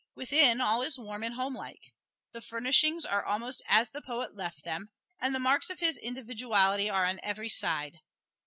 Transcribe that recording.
Within all is warm and homelike. The furnishings are almost as the poet left them, and the marks of his individuality are on every side.